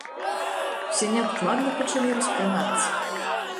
Усе неадкладна пачалі распранацца!